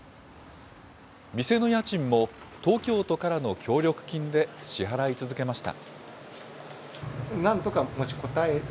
店の家賃も、東京都からの協力金で支払い続けました。